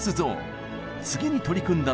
次に取り組んだのが。